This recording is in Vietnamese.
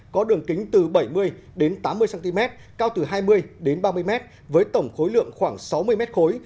có đường kính từ bảy mươi đến tám mươi cm cao từ hai mươi ba mươi m với tổng khối lượng khoảng sáu mươi m khối